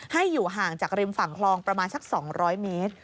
ให้อยู่ห่างจากริมฝั่งคลองประมาณสัก๒๐๐เมตร